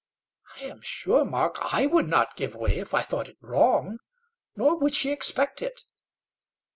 "I am sure, Mark, I would not give way, if I thought it wrong. Nor would she expect it."